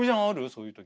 そういう時。